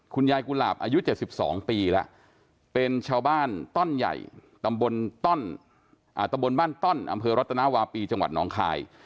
คุณยายกุหลาบอายุ๗๒ปีแล้วเป็นชาวบ้านต้อนใหญ่ตำบลตำบลบ้านต้อนอำเภอรัตนาวาปีจังหวัดน้องคาย